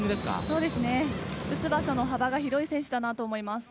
打つ場所の幅が広い選手だなと思います。